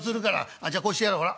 あっじゃあこうしてやろうほら。